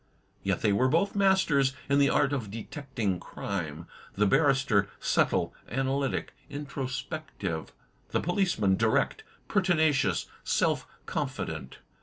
Yet they were both masters in the art of detecting crime — ^the barrister subtle, analytic, introspective; the policeman direct, pertinacious, self confident.